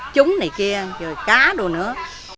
chúng này kia rồi cá đồ nữa